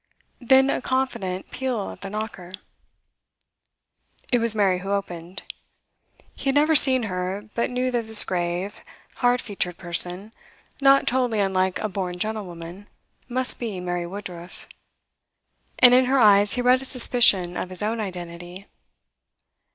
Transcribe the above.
Then a confident peal at the knocker. It was Mary who opened. He had never seen her, but knew that this grave, hard featured person, not totally unlike a born gentlewoman, must be Mary Woodruff. And in her eyes he read a suspicion of his own identity.